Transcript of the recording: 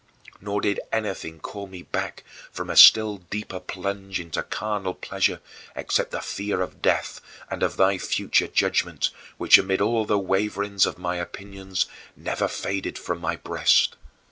Nor did anything call me back from a still deeper plunge into carnal pleasure except the fear of death and of thy future judgment, which, amid all the waverings of my opinions, never faded from my breast.